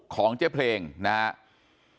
ของเจ๊เพลงนะครับ